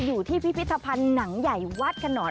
อยู่ที่พิพิธภัณฑ์หนังใหญ่วัดกระหน่อน